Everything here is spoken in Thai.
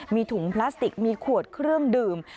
มีถุงพลาสติกมีขวดเครื่องดื่ม